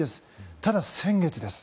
ただ、先月です